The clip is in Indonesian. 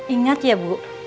ingat ya bu